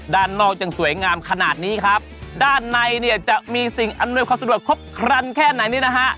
ด้านนอกยังสวยงามขนาดนี้ครับด้านในเนี่ยจะมีสิ่งอำนวยความสะดวกครบครันแค่ไหนนี่นะฮะ